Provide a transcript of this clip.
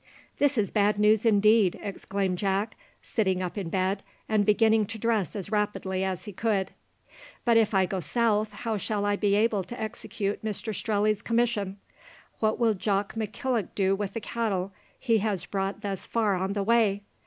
"This is bad news indeed," exclaimed Jack, sitting up in bed, and beginning to dress as rapidly as he could. "But if I go south, how shall I be able to execute Mr Strelley's commission? What will Jock McKillock do with the cattle he has brought thus far on the way?